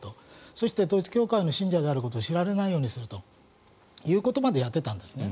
そして統一教会の信者であることを知られないようにするということまでやっていたんです。